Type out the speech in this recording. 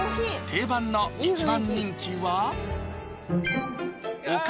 定番の１番人気は？